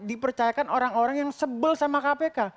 dipercayakan orang orang yang sebel sama kpk